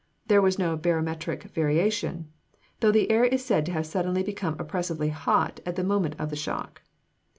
There was no barometric variation, though the air is said to have suddenly become oppressively hot at the moment of the shock.